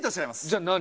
じゃあ何？